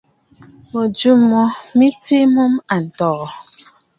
Mɨ̀jɨ̂ mo mɨ tswe a mûm àntɔ̀ɔ̀.